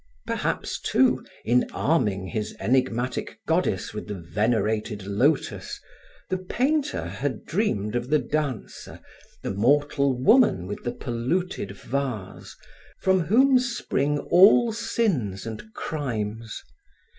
Perhaps, too, in arming his enigmatic goddess with the venerated lotus, the painter had dreamed of the dancer, the mortal woman with the polluted Vase, from whom spring all sins and crimes.